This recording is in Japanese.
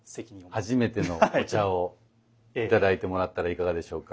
初めてのお茶をいただいてもらったらいかがでしょうか。